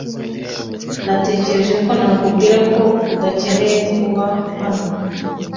Natekereje ko nakubwiye ko udakeneye kuba hano.